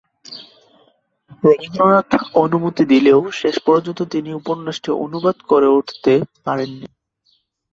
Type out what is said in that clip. রবীন্দ্রনাথ অনুমতি দিলেও শেষ পর্যন্ত তিনি উপন্যাসটি অনুবাদ করে উঠতে পারেননি।